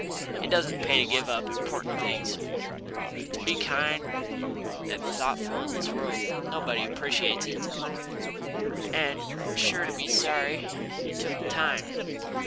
It doesn't pay to give up important things, to be kind and thoughtful in this world nobody appreciates it, and you are sure to be sorry you took the time.